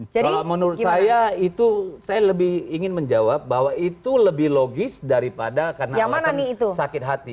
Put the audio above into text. kalau menurut saya itu saya lebih ingin menjawab bahwa itu lebih logis daripada karena alasan sakit hati